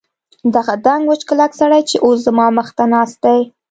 دغه دنګ وچ کلک سړی چې اوس زما مخ ته ناست دی.